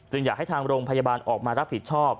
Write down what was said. อยากให้ทางโรงพยาบาลออกมารับผิดชอบ